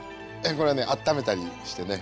これはねあっためたりしてね